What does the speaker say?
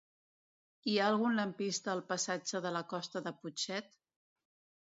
Hi ha algun lampista al passatge de la Costa del Putxet?